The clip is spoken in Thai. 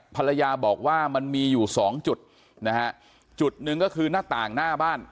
ภรรยาบอกว่ามันมีอยู่สองจุดนะฮะจุดหนึ่งก็คือหน้าต่างหน้าบ้าน